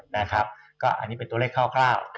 นะครับก็อันนี้เป็นตัวเลขคร่าว